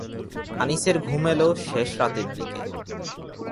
আনিসের ঘুম এল শেষরাতের দিকে।